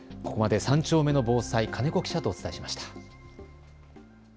ここまで３丁目の防災、金子記者とお伝えしました。